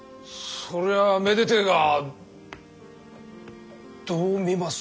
そりゃあめでてえがどう見ます？